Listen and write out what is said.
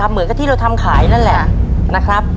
เหมือนกับที่เราทำขายนั่นแหละนะครับ